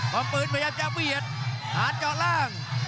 ความปืนพยายามจะเบียดหานเจาะล่าง